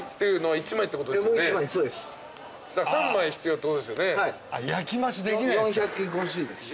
はい。